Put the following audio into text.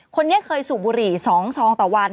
คนนี้เคยสูบบุหรี่๒ซองต่อวัน